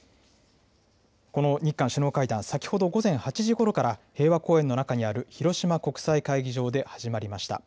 この日韓首脳会談、先ほど午前８時ごろから、平和公園の中にある広島国際会議場で始まりました。